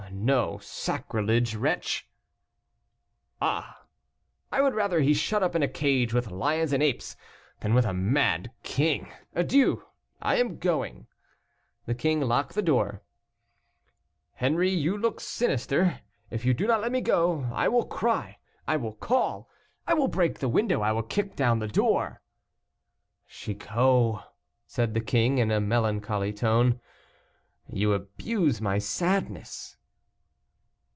"No sacrilege, wretch." "Ah! I would rather he shut up in a cage with lions and apes, than with a mad king. Adieu, I am going." The king locked the door. "Henri, you look sinister; if you do not let me go, I will cry, I will call, I will break the window, I will kick down the door." "Chicot," said the king, in a melancholy tone, "you abuse my sadness."